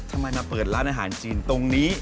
มาเปิดร้านอาหารจีนตรงนี้